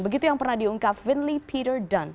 begitu yang pernah diungkap vinly peter dunn